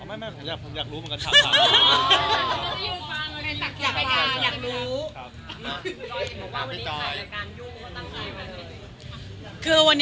มันอยากฟังด้วยเหมือนกัน